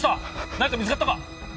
何か見つかったか？